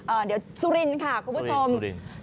เอ่อเดี๋ยวสุรินทร์ค่ะคุณผู้ชมสุรินทร์สุรินทร์